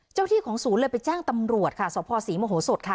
เจ้าของที่ของศูนย์เลยไปแจ้งตำรวจค่ะสภศรีมโหสดค่ะ